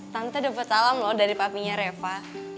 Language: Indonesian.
tante dapet alam loh dari papinya reva